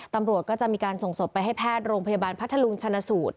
ตำรวจก็จะมีการส่งศพไปให้แพทย์โรงพยาบาลพัทธลุงชนะสูตร